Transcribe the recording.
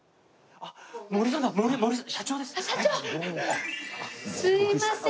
いやすいません